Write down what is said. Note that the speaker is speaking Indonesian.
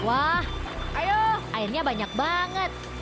wah airnya banyak banget